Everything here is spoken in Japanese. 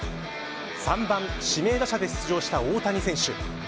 ３番指名打者で出場した大谷選手。